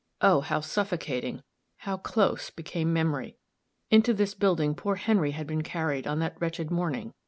Oh, how suffocating, how close, became memory! Into this building poor Henry had been carried on that wretched morning.